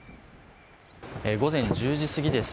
午前１０時過ぎです。